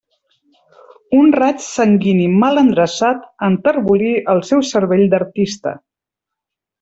Un raig sanguini mal endreçat enterbolí el seu cervell d'artista.